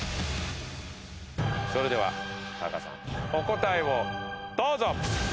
それではタカさんお答えをどうぞ！